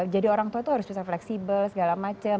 jadi orang tua itu harus bisa fleksibel segala macam